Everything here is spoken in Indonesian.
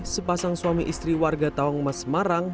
sepasang suami istri warga tawang mas semarang